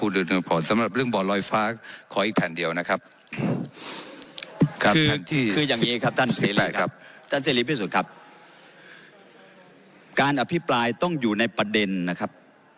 ท่านเสรีพิสูจน์ครับการอภิปรายต้องอยู่ในประเด็นนะครับ